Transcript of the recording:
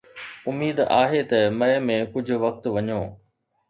اميد آهي ته مئي ۾ ڪجهه وقت وڃو.